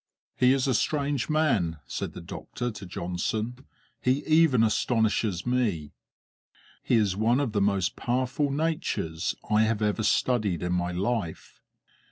"He is a strange man," said the doctor to Johnson; "he even astonishes me. He is one of the most powerful natures I have ever studied in my life."